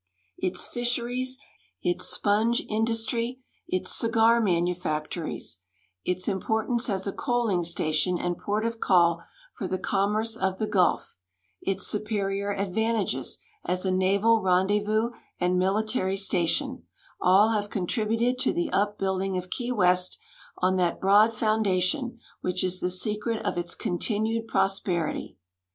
Its fisheries, its siionge in du.stry, its cigar manufactories, its importance as a coaling station and port of call for the commerce of the gulf, its superior advan tages as a naval rendezvous and military station, all have con tributed to the upbuilding of Key Weston thatl)road foundation Avhich is the secret of its continued prosperity.